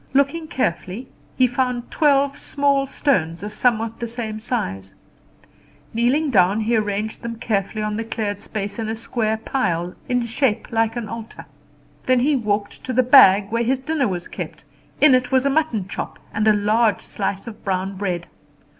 Looking carefully, he found twelve small stones of somewhat the same size; kneeling down, he arranged them carefully on the cleared space in a square pile, in shape like an altar. Then he walked to the bag where his dinner was kept; in it was a mutton chop and a large slice of brown bread.